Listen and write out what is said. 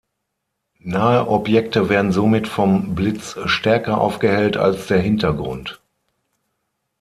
Nahe Objekte werden somit vom Blitz stärker aufgehellt als der Hintergrund.